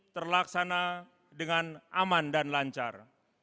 terlaksana dengan aman dan lancar